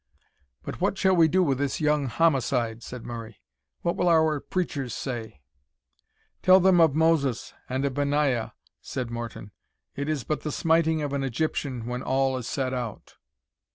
"But what shall we do with this young homicide?" said Murray; "what will our preachers say?" "Tell them of Moses and of Benaiah," said Morton; "it is but the smiting of an Egyptian when all is said out."